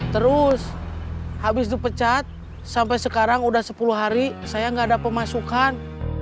terus habis dipecat sampai sekarang udah sepuluh hari saya nggak ada pemasukan